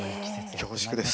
恐縮です。